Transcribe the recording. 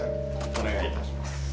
お願い致します。